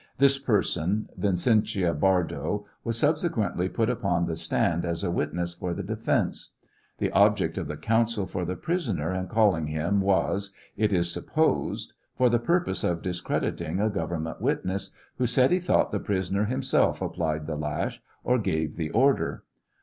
This person, Vicentia Bardo, was subsequently put upon the stand as a witness for the defence. The object of the counsel for the prisoner in calling him was, it is supposed, for the purpose of discreditiog a government witness, who said he thought the prisoner himself applied the lash, or gave the order.